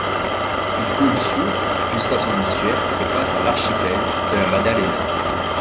Il coule sur jusqu'à son estuaire qui fait face à l'archipel de La Maddalena.